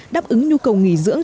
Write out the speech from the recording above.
đáp ứng nhu cầu nghỉ dưỡng